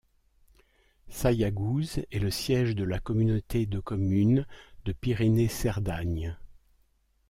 Saillagouse est le siège de la communauté de communes de Pyrénées Cerdagne.